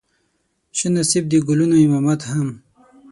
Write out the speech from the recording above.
شه نصيب دې د ګلونو امامت هم